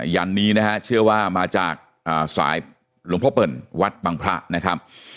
ยันนี้นะฮะเชื่อว่ามาจากสายหลวงพ่อเปิ่นวัดบังพระนะครับ